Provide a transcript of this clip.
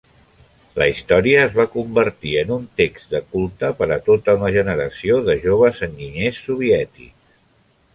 La història es va convertir en un text de culte per a tota una generació de joves enginyers soviètics.